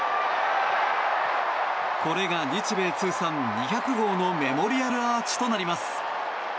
これが日米通算２００号のメモリアルアーチとなります。